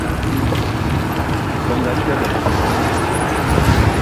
Bënga telé nkukuma.